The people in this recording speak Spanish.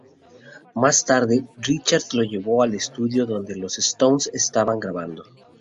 Más tarde, Richards lo llevó al estudio donde los Stones estaban grabando.